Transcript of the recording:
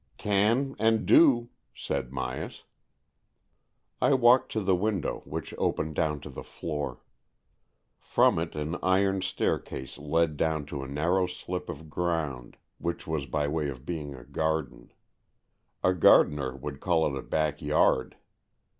" Can and do," said Myas. I walked to the window, which opened down to the floor. From it an iron staircase led down to a narrow slip of ground, which was by way of being a garden. A gardener would call it a back yard.